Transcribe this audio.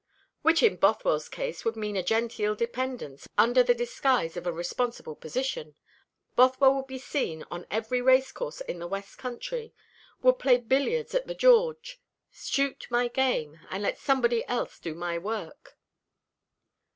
"Which in Bothwell's case would mean a genteel dependence, under the disguise of a responsible position. Bothwell would be seen on every racecourse in the west country would play billiards at the George, shoot my game, and let somebody else do my work."